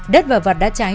đất và vật đã cháy